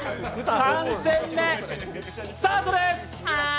３戦目スタートです！